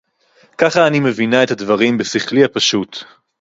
ככה אני מבינה את הדברים בשכלי הפשוט.